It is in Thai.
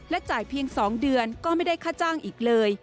จ่ายเพียง๒เดือนก็ไม่ได้ค่าจ้างอีกเลย